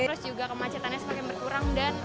virus juga kemacetannya semakin berkurang dan